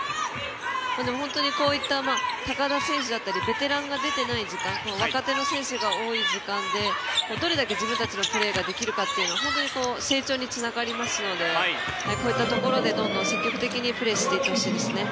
本当にこういった高田選手だったりベテランが出てない時間若手の選手が多い時間で、どれだけ自分たちのプレーができるかというのは本当に、成長につながりますのでこういったところで積極的にプレーしてほしいですね。